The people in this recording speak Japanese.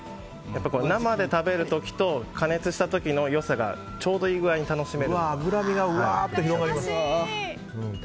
生で食べる時と加熱した時の良さがちょうどいい具合に楽しめる。